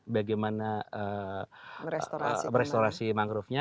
bagaimana merestorasi mangrovenya